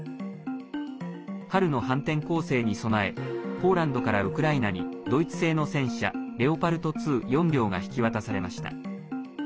春の反転攻勢に備えポーランドからウクライナにドイツ製の戦車レオパルト２４両が引き渡されました。